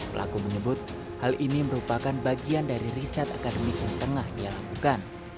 pelaku menyebut hal ini merupakan bagian dari riset akademik yang tengah dia lakukan